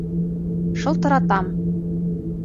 Шылтыратам.